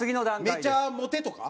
『めちゃモテ』とか？